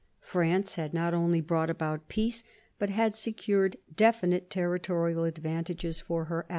France had not only brought about peace, but had secured definite territorial advantages for her ally.